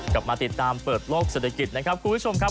กลับมาติดตามเปิดโลกเศรษฐกิจนะครับคุณผู้ชมครับ